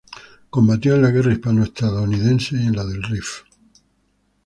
Combatió en la Guerra hispano-estadounidense y en la del Rif.